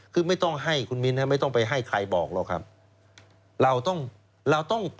คือไม่ต้องให้คุณมินครับไม่ต้องไปให้ใครบอกหรอกครับ